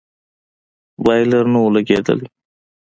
بايلر نه و لگېدلى.